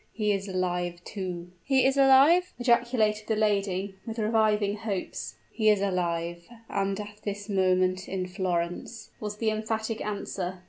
He is alive, too " "He is alive!" ejaculated the lady, with reviving hopes. "He is alive and at this moment in Florence!" was the emphatic answer.